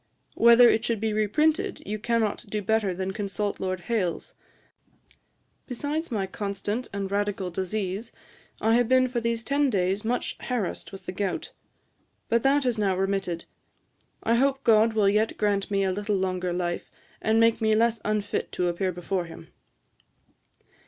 Whether it should be reprinted, you cannot do better than consult Lord Hailes. Besides my constant and radical disease, I have been for these ten days much harassed with the gout; but that has now remitted. I hope GOD will yet grant me a little longer life, and make me less unfit to appear before him.'